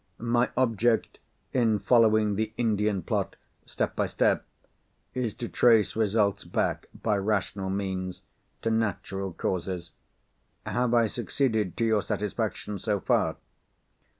My object in following the Indian plot, step by step, is to trace results back, by rational means, to natural causes. Have I succeeded to your satisfaction so far?"